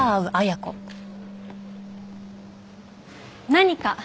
何か？